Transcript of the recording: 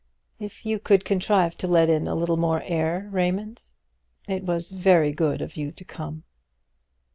If you could contrive to let in a little more air, Raymond. It was very good of you to come."